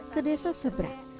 ke desa sebrang